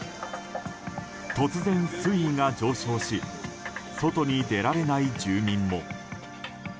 突然、水位が上昇し外に出られない住民も。